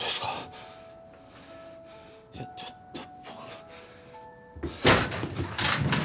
いやちょっと。